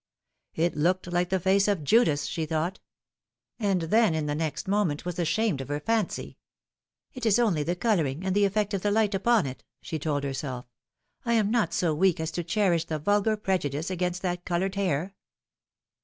It looked like the face of Judas, she thought ; and then in the next moment was ashamed of her fancy. " It is only the colouring, and the effect of the light upon it," she told herself. " I am not so weak as to cherish the vulgar prejudice against that coloured hair."